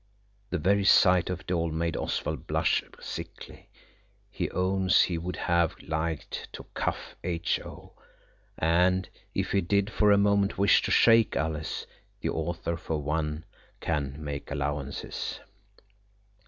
The very sight of it all made Oswald blush sickly. He owns he would have liked to cuff H.O., and, if he did for a moment wish to shake Alice, the author, for one, can make allowances.